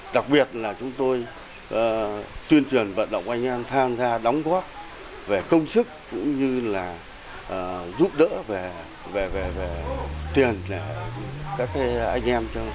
đặc biệt là chúng tôi tuyên truyền vận động anh em tham gia đóng góp về công sức cũng như là giúp đỡ về tiền các anh em